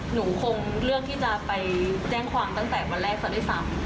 หนูคงเลือกที่จะไปแจ้งความตั้งแต่วันแรกซะด้วยซ้ำ